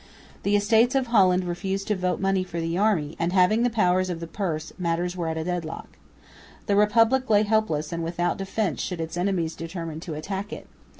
The Estates of Holland refused to vote money for the army; and, having the power of the purse, matters were at a deadlock. The Republic lay helpless and without defence should its enemies determine to attack it.